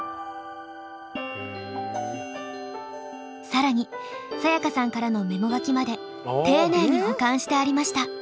更にサヤカさんからのメモ書きまで丁寧に保管してありました。